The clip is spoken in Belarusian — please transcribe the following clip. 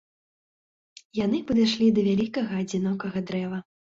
Яны падышлі да вялікага адзінокага дрэва.